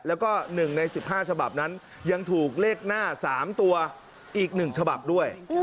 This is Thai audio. แล้วก็๑ใน๑๕ฉบับนั้นยังถูกเลขหน้า๓ตัวอีก๑ฉบับด้วย